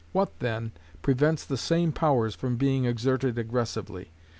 What, then, prevents the same powers from being exerted aggressively?